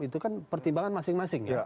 itu kan pertimbangan masing masing ya